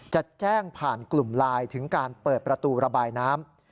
จะแจ้งผ่านกลุ่มไลน์ถึงการเปิดประตูระบายน้ำ